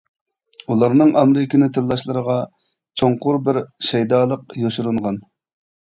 ئۇلارنىڭ ئامېرىكىنى تىللاشلىرىغا چوڭقۇر بىر شەيدالىق يوشۇرۇنغان.